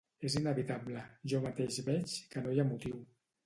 És inevitable, jo mateix veig que no hi ha motiu.